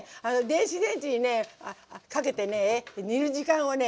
電子レンジにねかけてね煮る時間をね